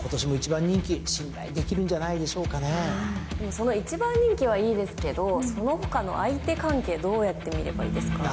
その１番人気はいいですけどその他の相手関係どうやって見ればいいですか？